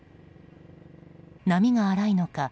波が荒いのか